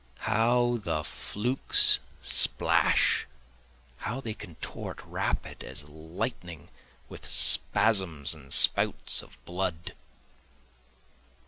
How the flukes splash! How they contort rapid as lightning, with spasms and spouts of blood!